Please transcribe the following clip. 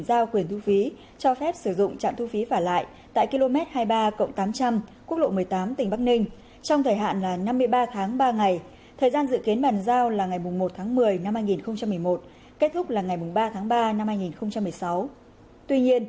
xin chào và hẹn gặp lại